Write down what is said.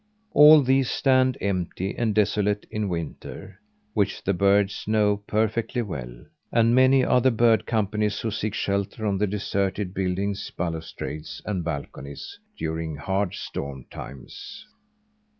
All these stand empty and desolate in winter which the birds know perfectly well; and many are the bird companies who seek shelter on the deserted buildings' balustrades and balconies during hard storm times.